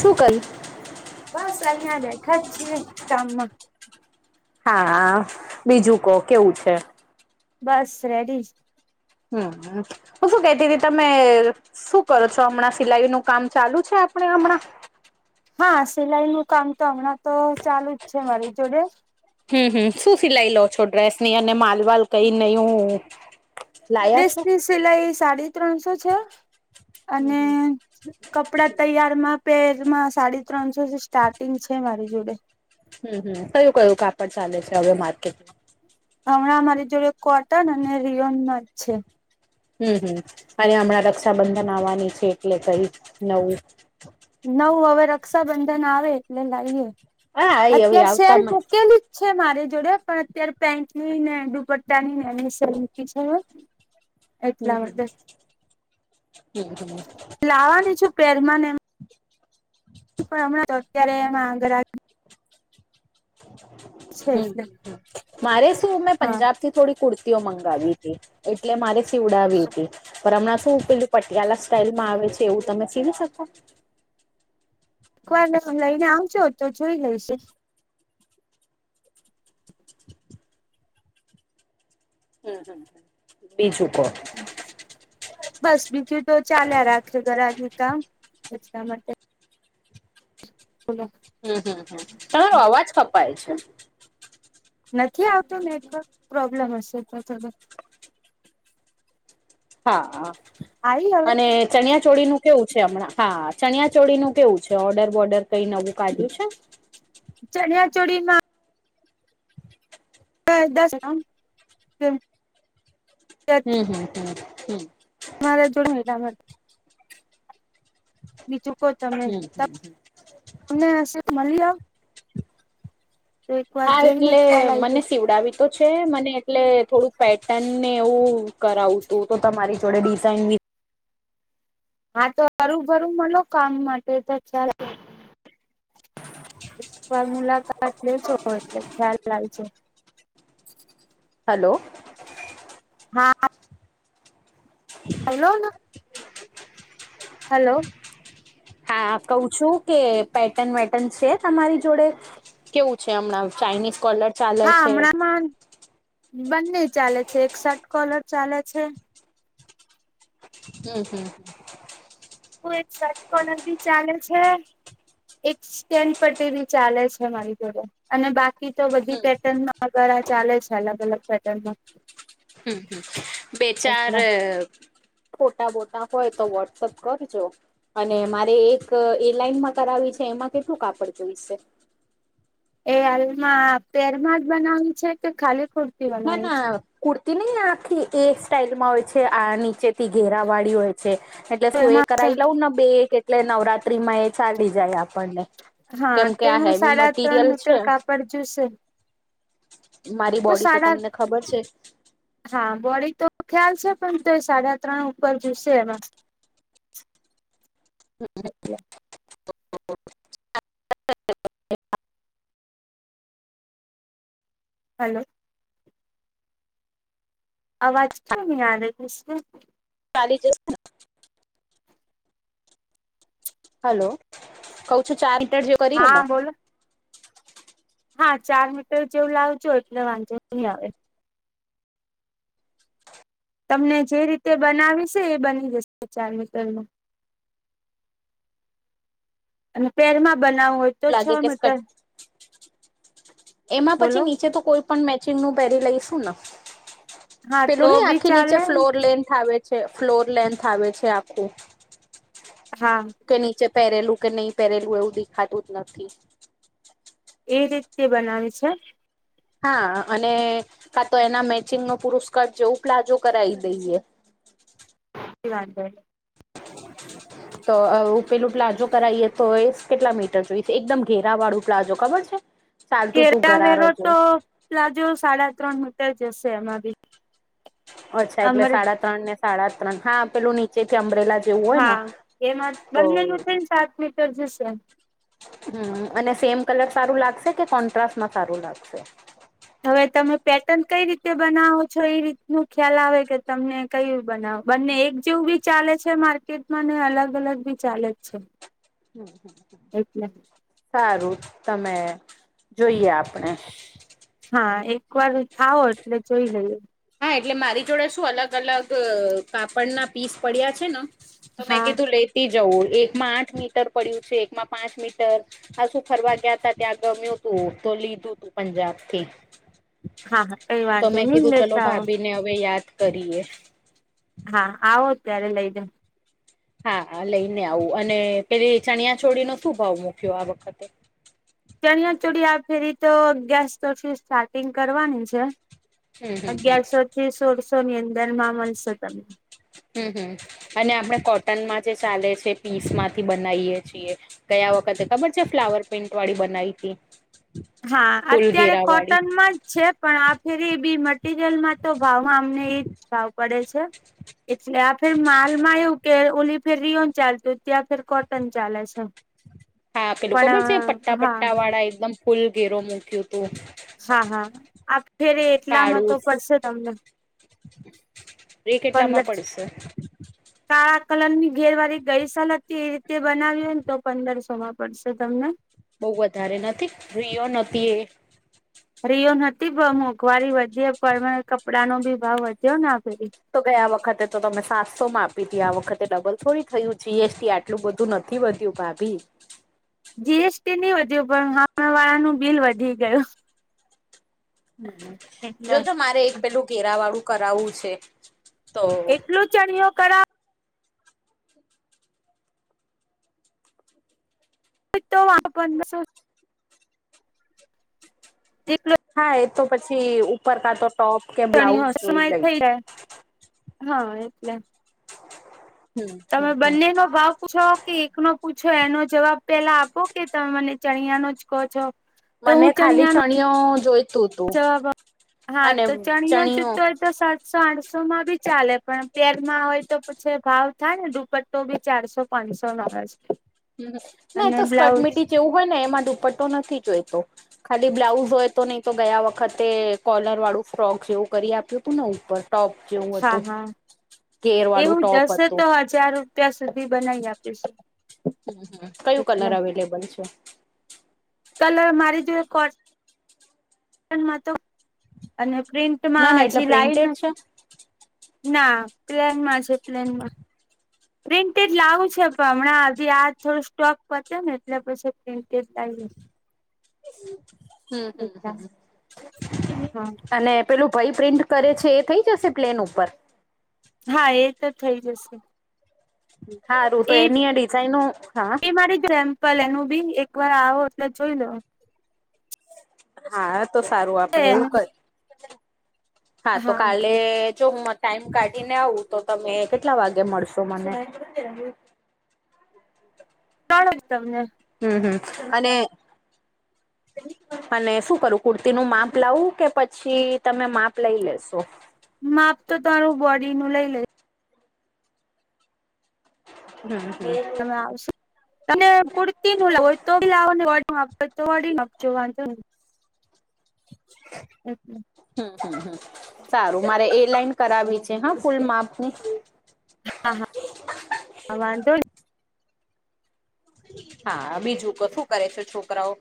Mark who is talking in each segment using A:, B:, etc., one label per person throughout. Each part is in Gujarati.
A: શું કરયુ?
B: બસ અહિયાં બેઠા જ છીએ કામમાં
A: હા બીજું કો કેવું છે.?
B: બસ રેડી
A: હમ હું શું કતી તી તમે? શું કરો છો હમણાં સિલાઈ નું કામ ચાલુ છે આપણે હમણાં?
B: હા સિલાઈ નું કામ તો હમણાં તો ચાલુ જ છે મારી જોડે.
A: હમ હમ શું સિલાઈ લો છો ડ્રેસ ની? અને માલવાલ કઈ નયું? લાયા છો?
B: ડ્રેસની સિલાઈ સાડી ત્રણસો છે
A: હમ
B: અને
A: હમ
B: કપડા તૈયારમાં પેરમાં સાડી ત્રણસોમા સ્ટાર્ટિંગ છે મારી જોડે.
A: હમ હમ કયું કયું કાપડ ચાલે છે હવે માર્કેટમાં?
B: હમણા મારી જોડે કોટન અને રિયોનમાં જ છે.
A: હમ હમ અને હમણાં રક્ષાબંધન આવવાની છે એટલે કઈક નવું
B: નવુ હવે રક્ષાબંધન આવે એટલે લાવીએ
A: હા એ હવે
B: અત્યારે
A: આવતા
B: સેલ
A: મ
B: મૂકેલી છે મારી જોડે પણ અત્યારે પેન્ટની ને ડુપટ તની મે સેલ મૂકી છે. એટલા માટે
A: હમ હમ હમ હમ
B: લાવવાની છું પેરમાંને એમ. પણ હમણાં તો અત્યારે એમાં આગળ છે
A: હમ
B: એટલે
A: હમ મારે શું મેં
B: હા
A: પંજાબ થી થોડી કુર્તીઓ મંગાવી હતી, એટલે મારે સીવડાવી હતી. પણ હમણાં શું પેલું પટિયાલા સ્ટાઈલમાં આવે છે એવું તમે સીવી શકો.?
B: એક વાર લઈને આવજો તો જોઈ લઈશું
A: હમ હમ બીજું કો??
B: બસ બીજું તો ચાલ્યા રાખે ઘરની કામ બચલા માટે બોલો?
A: હમ હમ તમારો અવાજ કપાય છે.?
B: નથી આવતો નેટવર્ક? પ્રોબ્લેમ હશે તો થોડો
A: હા હા
B: આવી હવે
A: અને ચણિયા ચોળી નું કેવું છે હમણાં? હા ચણિયા ચોળી નું કેવું છે, ઓર્ડર બોર્ડર કઈ નવું કાઢ્યું છે.?
B: ચણિયા ચોડી માં [inaudible]
A: હમ હમ હમ હમ
B: મારા જોડેને એટલા માટે બીજૂ કો તમે
A: હમ
B: તમને હ મળી?? તો એક વાર
A: હા
B: જઈને
A: એટલે
B: ખ્યાલ આવી
A: મને
B: જાય
A: સીવડાવી તો છે મને એટલે થોડું પેટર્ન ને એવું કરાવુંતું તો તમારી જોડે ડિઝાઇનબી,
B: હા તો હરુ ભરું મલો કામ માટે તો ખ્યાલ એક વાર મુલાકાત લે જો એટલે ખ્યાલ આવી જાય.
A: હલો.
B: હા. હલોને. હલો.
A: હા હું કહું છું કે પેટર્ન વેટન છે તમારી જોડે? કેવું છે હમણાં ચાાઈનીઝ કોલર? ચાલે
B: હા
A: છે
B: હમણાંમાં બંને ચાલે છે એક શર્ટ કોલર ચાલે છે.
A: હમ હમ.
B: કોઈ એક શર્ટ કોલર બી ચાલે છે. એક સ્ટેન્ડ પર બી ચાલે છે મારી જોડે, અને બાકી તો બધી પેટર્નમાં દ્વારા ચાલે છે અલગ અલગ પેટર્નમાં.
A: હમ હમ બે ચાર
B: એટલે
A: ફોટા બોટા હોય તો વોટ્સઅપ કરજો. અને મારે એક એરલાઈનમાં કરાવી છે એમાં કેટલું કાપડ જોઈશે?
B: એ હાલમાં પેરમાં જ બનવવાની છે કે ખાલી ખો
A: ના ના કુર્તી નહિ આખી એ સ્ટાઈલ માં હોય છે આ નીચે થી ઘેરા વાડી હોય. છે, એટલે
B: તો
A: શું એ કરાઈ
B: એમાં
A: લઉં ને બે એક એટલે નવરાત્રી માં એ ચાલી જાય આપણને.
B: હા
A: કેમ કે આ
B: તેમાં
A: હેવી
B: સાડા ત્રણ
A: મટીરિયલ
B: મીટર
A: છે
B: કાપડ જુશે.
A: મારી બોડી તો તમને ખબર છે જ.
B: હા બોડી તો ખ્યાલ છે પણ તો સાડા ત્રણ ઉપર જુશે એમાં.
A: તો [unintelligible]
B: એ [unintelligible] હાલો. અવાજ ક્યું નહિ આ રહી છે.
A: ખાલી જ હલો, કવ છું ચાર મીટર કરી
B: હા બોલો હા ચાર મીટર જેવું લાવજો એટલે વાંધો નહી આવે. તમને જે રીતે બનાવી છે એ બની જશે ચાર મીટરમાં. અને પેરમાં બનાવું હોય તો? છ
A: લાગે કેટ
B: મીટર
A: એમાં પછી
B: બોલો
A: નીચે તો કોઈ પણ મેચિંગ નું પહેરી લઈશું ને.
B: હા તો
A: પેલું નહી
B: બી
A: આખી નીચે
B: ચાલે
A: ફ્લોર લેન્થ આવે છે ફ્લોર લેન્થ આવે છે આખું.
B: હા.
A: કે નીચે પેરેલું કે નહીં પેરેલું એવું દેખાતું જ નથી.
B: એ રીતે બનાવી છે ને?
A: હા અને, કા તો એના મેચિંગ નો પુરુસ્કર્ટ જેવું પ્લાજો કરાવી દેજે.
B: શ વાા છે [unintelligible]
A: [inaudible] તો ઉપેલું પ્લાઝો કરાવએ તો એ કેટલા મીટર જોઈશે એકદમ ઘેરા વાળું પ્લાઝો ખબર છે? ચાલતું તું ઘરારો
B: ધેરાવેલો
A: જો
B: તો પ્લાજો સાડા ત્રણ મીટર જશે એમાં બી.
A: અચ્છા એટલે
B: અમર
A: સાડા ત્રણ ને સાડા ત્રણ હા પેલું નીચે થી ચમરેલા
B: હા, એમાં બંનેનું થઈ ને સાત મીટર જશે.
A: હમ અને સેમ કલર સારું લાગશે? કે કોન્ટ્રાસ્ટમાં સારું લાગશે?
B: હવે તમે પેટર્ન કઈ રીતે બનાવો છો એ રીતનુ ખ્યાલ આવે કે તમને કય બનાવ બંને એક જેવું બી ચાલે છે માર્કેટમાં ને અલગ અલગ બી ચાલે જ છે. એટલે
A: સારું તમે જોઈએ આપણે.
B: હા એક વાર આવો એટલે જોઈ લઈએ.
A: હા એટલે મારી જોડે શું અલગ અલગ કાપડના પીસ પડ્યા છ ને. તો મેં
B: હા
A: કીધું લેતી જવું એકમાં આઠ મીટર પડ્યું છે, એકમાં પાંચ મીટર. હ શું ફરવા ગયા ત ત્યાં ગમ્યું તું તો લીધું તું પંજાબથી.
B: હા હા કઈ વાંધો ની ને?
A: તો ભાભી ને હવે યાદ કરીએ.
B: હા આવો ત્યારે લઈ જ.
A: હા હા લઈને આવું અને પેલી ચણિયા છોડી નો શું ભાવ મૂક્યો આ વખતે?
B: ચણિયા ચોળી આ ફેરી તો અગિયારસ તોથી સ્ટાર્ટિંગ કરવાની છે.
A: હમ હમ હમ.
B: અગિયારસો થી સોળસો ની અંદર માં મળી શકે.
A: હમ હમ, અને આપણે કોટનમાં જે ચાલે છે પીસ માંથી બનાઈ એ છીએ. ગયા વખતે ખબર છે ફ્લાવર પેઇન્ટ વાળી બનાઈ હતી.
B: હા
A: ફૂલ
B: અત્યારે
A: ઘેરા વાળી
B: કોટનમાં જ છે પણ આ ફેરી બી મટીરિયલમાં તો ભાવમાં અમને એજ ભાવ પડે છે. એટલે આ ફેર માલમાં એવું કે ઓલી ફેર રિઓન ચાલતું ત્યાં ફેર કોટન ચાલે છે.
A: હા પેલું ખબર છે
B: પણ
A: પટ્ટા
B: હા
A: પટ્ટા વાળા એકદમ ફૂલ ઘેરો મૂક્યું હતું.
B: હા હા આેરે એટલામાં તો પડશે તમને.
A: રે કેટલા માં
B: પંદર
A: પડશે?
B: કાળા કલર ની ઘેર વાળ ગઈસલ હતી એ રીતે બનાવી હોય ને તો પંદરસો માં પડશે તમને.
A: બહુ વધારે નથી રિયો નથી એ.
B: રિયો નથી પણ મોંઘવારી વધી પણ કપડાં ન ભી ભાવ વધ્યો ના પે.
A: તો ગયા વખતે તો તમે સાતસો માં આપી હતી આ વખતે ડબલ થોડી થયું જી એસ ટી એટલું બધું નથી વધ્યું ભાભી.
B: જીએસટી નહી વધ્યું પણ હા વાળાનું બિલ વધી ગયું.
A: હ
B: એટલે
A: જોજ મારે એક પેલું ઘેરા વાળું કરાવવું છે. તો
B: એટલું ચણયો કરાવ તો [unintelligible] એકલે
A: હા એ તો પછી ઉપર કાતો ટોપ કે
B: ચણી હો
A: બ્લાઉઝ
B: શું
A: જોઈ
B: માય
A: લઈ
B: થઈ જાય, હા એટલે.
A: હમ
B: તમે
A: હમ હમ
B: બંને નો ભાવ પૂછો કે એકનો? પૂછો એનો જવાબ પેલા આપો કે તમે મને ચણિયા નો જ કહો છો? તો
A: મને
B: હું
A: ખાલી
B: ચણિયાનો
A: ચણઓ જોઈ
B: જવાબ હા તો જાણી્યોજ
A: ચણિયો
B: તો તો સાતસો આઠસો માં ભી ચાલે પણ પેરમાં હોય તો પછી ભાવ થાય ને ડુપ તો બી ચારસો પાંચસો ન.
A: હ ના તો સ્કર્ટ મીટી જેવું હોય ને એમાં દુપટ્ટો નથી જોઈતો. ખાલી બ્લાઉઝ હોય તો નહી તો ગયા વખતે કોલર વાળું ફ્રોક જેવું કરી આપ્યું હતું ને ઉપર. ટોપ જેવું
B: હા
A: હતું,
B: હા
A: કેર વાળું ટોપ હતું.
B: જાર ત્યાં સુધી બનાવી આપી છે.
A: હમ હમ કયું કલર અવેલેબલ છે.
B: કલ મારી જો કોર્ તો અને
A: ના
B: પ્રિન્ટમાં
A: ના એટલે
B: હજી લાઈન
A: પ્રિન્ટેડ છે
B: નહીં. ના પ્લેન માં છે પ્લેનમાં. પ્રિન્ટેડ લાવું છે પણ હમણાં હ આ થોડો સ્ટોક પત્યો ને એટલે પછી પ્રિન્ટેડ લાઇશ.
A: હમ હમ
B: એટલા
A: હમ
B: હા
A: અને પેલું ભય પ્રિન્ટ કરે છે એ થઈ જશે પ્લેન ઉપર?
B: હા એ તો થઈ જશે.
A: હારું
B: એ
A: તો એની આ ડિઝાઇનો હા
B: એ મારી જેમ. ભલે એનું બી એક વાર આવો એટલે જોઈ લો.
A: હા તો સારું આપણે એવું
B: એનું
A: કર હા તો કાલે' જો ટાઈમ કાઢીને આવું તો તમે કેટલા વાગે મળશો મને?
B: કણ તમને?
A: હમ હમ અને અને શું કરું કુર્તી નું માપ લાવું કે પછી તમે માપ લઈ લેશો?
B: માપ તો તમારું બોડી નું લઇ લેશ
A: હમ હમ
B: તમે આવશો? ત કુર્તી નું લાવ હોય તો લાવવા ને તો બોડી ના માપ જો વાંધોને. ઓચછ
A: હમ હમ હ સારું મારે એ લાઇન કરાવી છે હા ફૂલ માપ ની
B: હા હા હા વાંધો ની.
A: હા બીજું કશું કરે છે છોકરાઓ?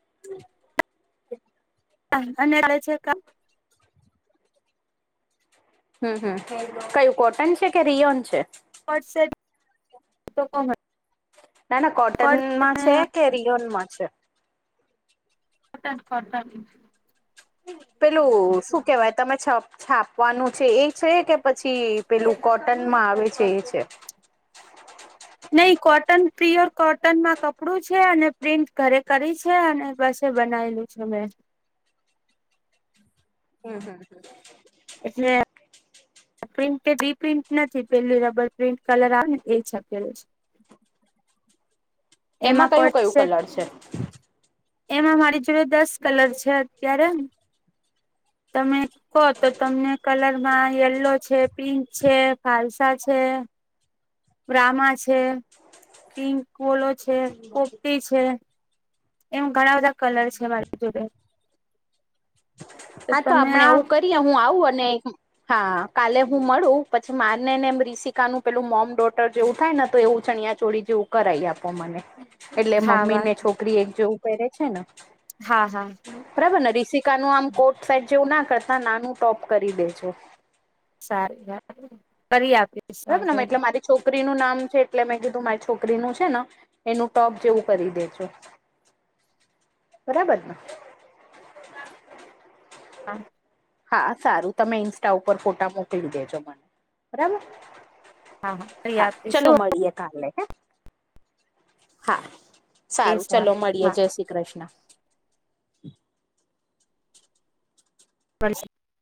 A: હ [unintelligible]
B: હ રાહ જોકા. [inaudible]
A: હમ હમ કયું કોટન છે કે રિયોન છે.?
B: વટસપ તો કોણ કર
A: ના ના કોટનમાં
B: ને
A: છે કે રિયોન માં છે.?
B: કોટન કોટન
A: પેલું શું કેવાય તમે છો છાપવાનું છે એ છે કે પછી પેલું કોટનમાં આવે છે એ છે.?
B: નહી કોટન પ્યોર કોટનમાં કપડું છે, અને પ્રિન્ટ ઘરે કરી છે અને બસે બનાવીલું સમમે
A: હમ હમ હમ
B: એટલે પ્રિન્ટ અઃ બી પ્રિન્ટ નથી પેલીું રબર પ્રિન્ટ કલર આવે ને એ શકેેલું છે. છે
A: એમાં કયું કયું
B: કોટસેટ
A: કલર છે?
B: એમાં મારી જોડે દસ કલર છે અત્યારે, તમે હો તો તમને કલરમાં યલો છે પિંક છે ફાલસા છે. બ્રામા છે, પિંક વોલો છે, પોપટી છે. એમ ઘણા બધા કલર છે મારી જોડે.
A: હા તો
B: તમે
A: આપણે
B: આવ
A: એવું કરીએ હું આવું અને હા કાલે હું મળું પછી માને ને એમ રીસિકાનુંપેલું મોમ ડોટર જેવું થાય ને તો એવું ચણ્યા ચોડી જેવું કરાઈ આપો મને એટલે
B: હા
A: મમ્મી
B: વા
A: ને છોકરી એક જેવું પહેરે છે ને
B: હા હા
A: બરાબર ને રિશિકા નું આમ કોટ સેટ જેવું ના કરતા નાનું ટોપ કરી દેજો
B: સારી કરી આપ.
A: બરાબરને એટલે મારી છોકરીનું નામ છે એટલે મેં કીધું મારી છોકરીનું છે ને. એનું ટોપ જેવું કરી દેજો, બરાબર ને.
B: હા.
A: હા સારું તમે ઇન્સ્ટા ઉપર ફોટા મોકલી દેજો મને, બરાબર.
B: કરી
A: હા
B: આપીશ
A: ચલો મળીએે કાલે હે. હા
B: એ
A: સારું ચલો મળીએ
B: હા
A: જય શ્રી કૃષ્ણ.
B: પર